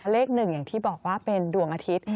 เลข๑อย่างที่บอกว่าเป็นดวงอาทิตย์